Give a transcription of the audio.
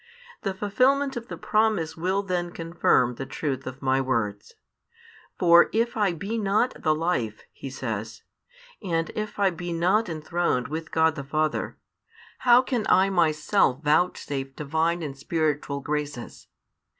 The fulfilment of the promise will then confirm the truth of My words. For if I be not the Life, He says, and if I be not enthroned with God the Father, how can I Myself vouchsafe Divine and spiritual graces?